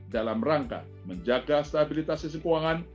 dalam rangka menjaga stabilitas sisi keuangan